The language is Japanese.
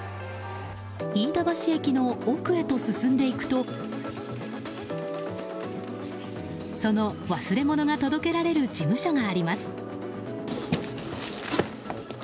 飯田橋駅の奥へと進んでいくとその忘れ物が届けられる事務所があります。